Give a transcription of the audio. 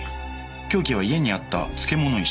凶器は家にあった漬物石。